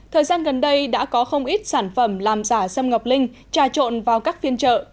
thời gian gần đây đã có không ít sản phẩm làm giả sâm ngọc linh trà trộn vào các phiên trợ